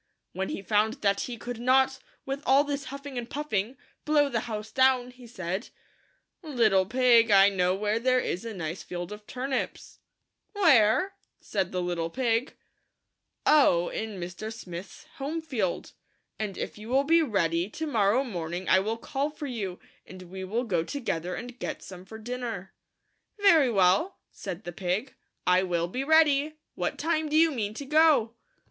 When he found that he could not, with all his huffing and puffing, blow the house down, he said, " Little pig, I know where there is a nice field of turnips." "Where?" said the little pig. "Oh, in Mr. Smith's Home field, and if you will be ready "PLEASE, MAN, GIVE ME THOSE BRICKS." THE THREE LITTLE PIGS. to morrow morning I will call for you, and we will go to gether, and get some for dinner." "Very well," said the pig, "I will be ready. What time do you mean to go?"